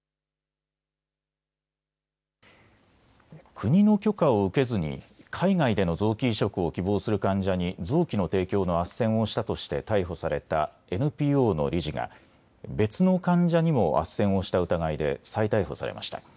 国の許可を受けずに海外での臓器移植を希望する患者に臓器の提供のあっせんをしたとして逮捕されたＮＰＯの理事が別の患者にもあっせんをした疑いで再逮捕されました。